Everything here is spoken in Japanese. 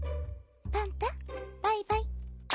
パンタバイバイ」。